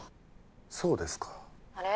そうですか☎あれっ？